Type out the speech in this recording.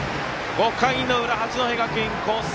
５回の裏、八戸学院光星。